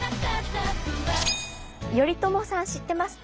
頼朝さん知ってますか？